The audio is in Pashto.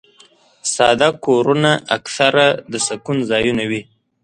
ساده کورونه اکثره د سکون ځایونه وي.